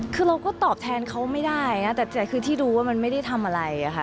คือเราก็ตอบแทนเขาไม่ได้นะแต่คือที่รู้ว่ามันไม่ได้ทำอะไรค่ะ